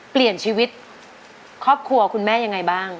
เปลี่ยนชีวิตครอบครัวคุณแม่ยังไงบ้าง